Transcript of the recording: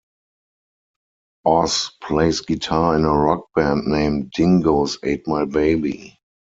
Oz plays guitar in a rock band named Dingoes Ate My Baby.